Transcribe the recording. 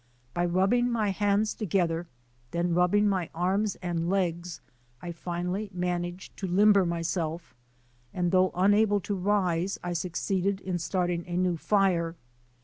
By rubbing my hands together, then rubbing my arms and legs, I finally managed to limber myself, and though unable to rise, I succeeded in starting a new fire.